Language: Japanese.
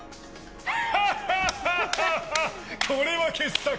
ハハハこれは傑作。